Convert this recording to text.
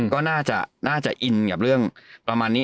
ก็น่าจะอินกับเรื่องประมาณนี้